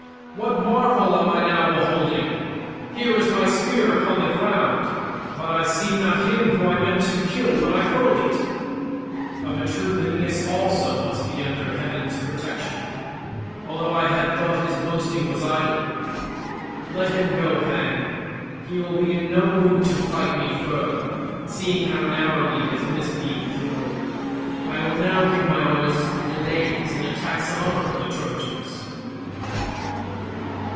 what marvel am I now beholding? Here is my spear upon the ground, but I see not him whom I meant to kill when I hurled it. Of a truth Aeneas also must be under heaven's protection, although I had thought his boasting was idle. Let him go hang; he will be in no mood to fight me further, seeing how narrowly he has missed being killed. I will now give my orders to the Danaans and attack some other of the Trojans."